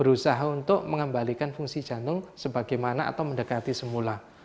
berusaha untuk mengembalikan fungsi jantung sebagaimana atau mendekati semula